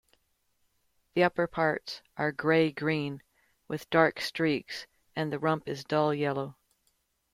The upperparts are grey-green with dark streaks and the rump is dull yellow.